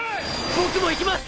僕も行きます！！